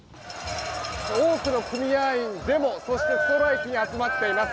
多くの組合員デモ、そしてストライキに集まっています。